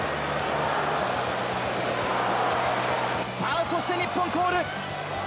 さあ、そして日本コール。